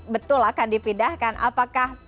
betul akan dipindahkan apakah